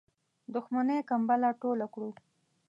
دښمنی کمبله ټوله کړو.